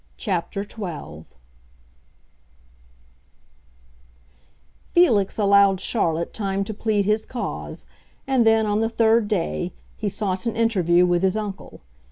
CHAPTER XII Felix allowed Charlotte time to plead his cause; and then, on the third day, he sought an interview with his uncle.